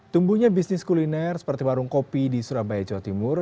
tumbuhnya bisnis kuliner seperti warung kopi di surabaya jawa timur